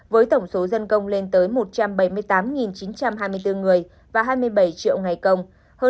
với tổng số dân công lên tới một trăm bảy mươi tám chín trăm hai mươi bốn người và hai mươi bảy triệu ngày công